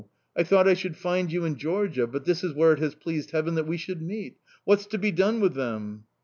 I thought I should find you in Georgia, but this is where it has pleased Heaven that we should meet. What's to be done with them?"...